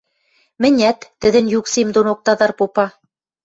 – Мӹнят, – тӹдӹн юк сем донок тадар попа.